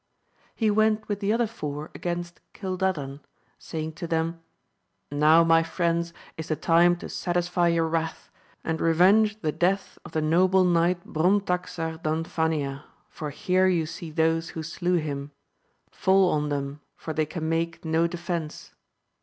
He went with the other four agamst Cildadan, saying to them, Now my friends is the time to satisfy your wrath, and revenge the death of the noble knight Brontaxar Danfania^ for here you see those who slew him : fall on them for they can make no defence